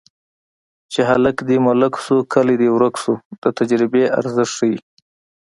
چې هلک دې ملک شو کلی دې ورک شو د تجربې ارزښت ښيي